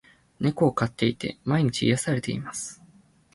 猫を飼っていて、毎日癒されています。